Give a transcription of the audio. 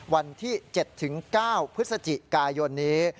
วันที่๗๙พฤศจิกายนนี้